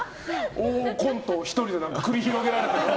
大コントを１人で繰り広げて。